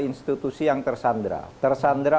institusi yang tersandra tersandra